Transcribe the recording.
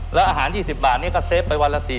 แล้วอาหาร๒๐บาทนี้ก็เซฟไปวันละ๔๐